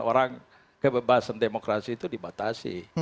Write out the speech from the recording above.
orang kebebasan demokrasi itu dibatasi